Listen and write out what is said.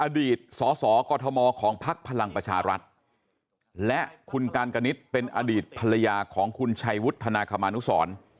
อดีตสสกมของพักพลังประชารัฐและคุณการกนิดเป็นอดีตภรรยาของคุณชัยวุฒนาคมานุสร